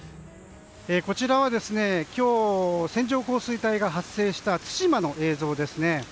こちらは今日線状降水帯が発生した対馬の映像です。